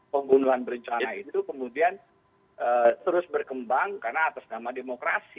pembunuhan berencana itu kemudian terus berkembang karena atas nama demokrasi